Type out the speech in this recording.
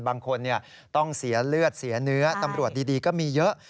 บางคนต้องเสียเลือดเสียเนื้อตำรวจดีก็มีเยอะ